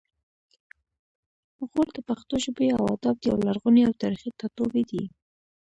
غور د پښتو ژبې او ادب یو لرغونی او تاریخي ټاټوبی دی